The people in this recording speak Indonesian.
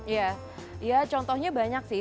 ya ya contohnya banyak sih